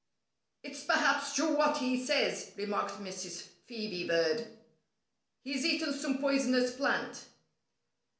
"It's perhaps true what he says," remarked Mrs. Phœbe Bird. "He's eaten some poisonous plant."